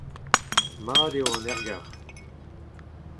Mat eo an aergelc'h.